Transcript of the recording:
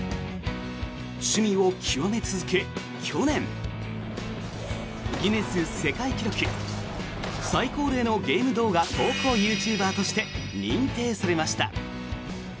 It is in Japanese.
趣味を極め続け、去年ギネス世界記録最高齢のゲーム動画投稿ユーチューバーとして認定されました。